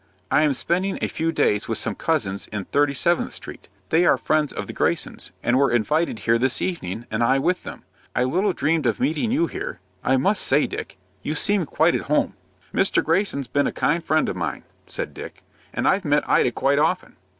I am spending a few days with some cousins in Thirty Seventh Street. They are friends of the Greysons, and were invited here this evening, and I with them. I little dreamed of meeting you here. I must say, Dick, you seem quite at home." "Mr. Greyson has been a kind friend of mine," said Dick, "and I've met Ida quite often.